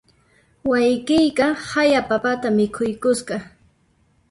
Wayqiyqa haya papata mikhuykusqa.